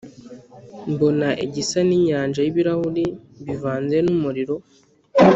Mbona igisa n’inyanja y’ibirahuri bivanze n’umuriro,